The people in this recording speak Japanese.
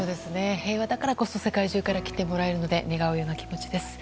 平和だからこそ世界中から来てもらえるので願うような気持ちです。